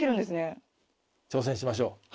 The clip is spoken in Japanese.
挑戦しましょう。